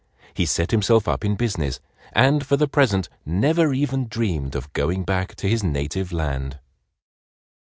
He set himself up in business, and for the present never even dreamed of going back to his native land.